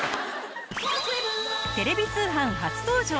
テレビ通販初登場！